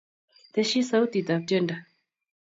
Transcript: Teshi sautitab tyendo